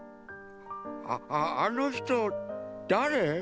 ああのひとだれ？